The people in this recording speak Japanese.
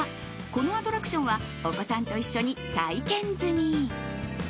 このアトラクションはお子さんと一緒に体験済み。